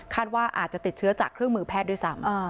ว่าอาจจะติดเชื้อจากเครื่องมือแพทย์ด้วยซ้ำ